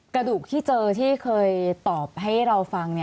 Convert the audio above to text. กระดูกที่เจอที่เคยตอบให้เราฟัง